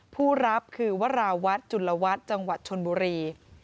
ผู้รับคือวราวัฒน์จุลวัฒน์จังหวัดชนบุรี